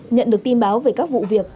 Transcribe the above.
nhận được tin báo về các vụ việc